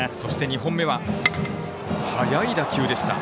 ２本目は速い打球でした。